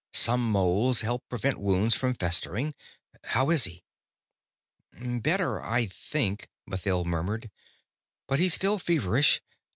"Some molds help prevent wounds from festering.... How is he?" "Better, I think," Mathild murmured. "But he's still feverish.